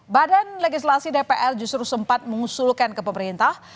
badan legislasi dpr justru sempat mengusulkan ke pemerintah